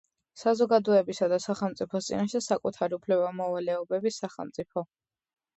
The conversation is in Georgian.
საზოგადოებისა და სახელმწიფოს წინაშე საკუთარი უფლება-მოვალეობების, სახელმწიფო